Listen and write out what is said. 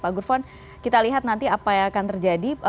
pak gurfon kita lihat nanti apa yang akan terjadi